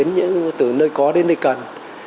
như từ nơi có đến nơi cần